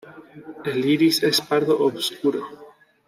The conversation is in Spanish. El iris es pardo obscuro.